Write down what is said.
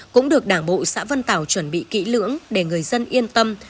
cũng được đảng bộ xã vân tảo chuẩn bị kỹ lưỡng để người dân yên tâm